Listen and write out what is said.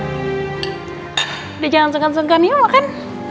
udah jangan senggan senggan yuk makan